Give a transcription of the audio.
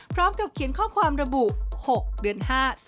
พร้อมกับเขียนข้อความระบุ๖เดือน๕